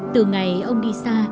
từ ngày ông đi xa